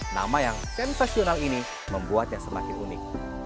nama yang sensasional ini membuatnya semakin unik